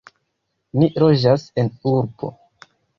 Ni loĝas en urbo.